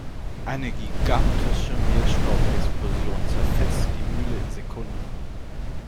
Eine gigantische Mehlstaubexplosion zerfetzte die Mühle in Sekunden.